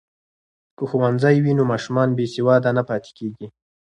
که ښوونځی وي نو ماشومان بې سواده نه پاتیږي.